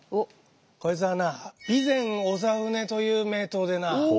こいつはな備前長船という名刀でな